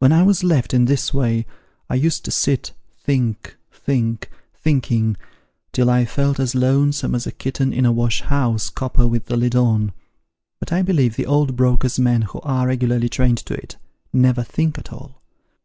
When I was left in this way, I used to sit, think, think, thinking, till I felt as lonesome as a kitten in a wash house copper with the lid on ; but I believe the old brokers' men who are regularly trained to it, never think at all.